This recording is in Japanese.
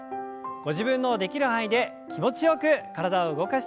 ご自分のできる範囲で気持ちよく体を動かしていきましょう。